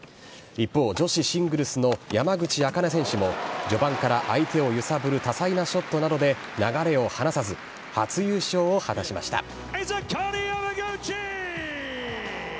一方、女子シングルスの山口茜選手も序盤から相手を揺さぶる多彩なショットなどで流れを離さず、初優勝を果たしました。